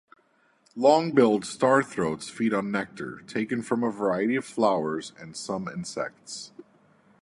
Long-billed starthroats feed on nectar, taken from a variety of flowers, and some insects.